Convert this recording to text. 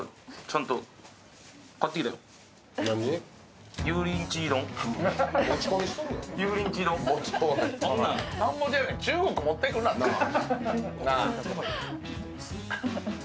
ちゃんと買ってきたよ。